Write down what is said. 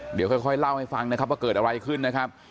เดี๋ยวค่อยเล่าให้ฟังนะครับว่าเกิดอะไรขึ้นนะครับ